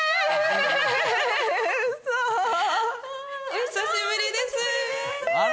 お久しぶりですあら！